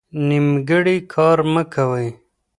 نیمګړی کار مه کوئ.